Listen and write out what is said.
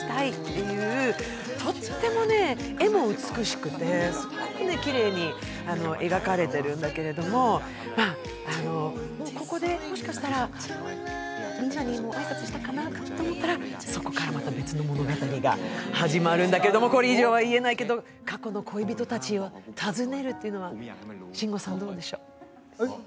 とっても画も美しくてすごくきれいに描かれているんだけれども、ここでもしかしたらみんなに挨拶したかなと思ったらそこからまた別の物語が始まるんだけれども、これ以上は言えないけど、過去の恋人たちを訪ねるっていうのは慎吾さんどうでしょう？